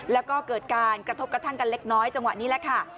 แล้วก็เกิดการกระทบกระทั่งกันเล็กน้อยจังหวะนี้แหละค่ะ